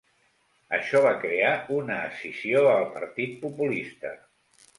Això va crear una escissió al Partit Populista.